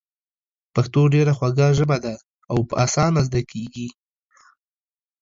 پښتو ډېره خوږه ژبه ده او په اسانه زده کېږي.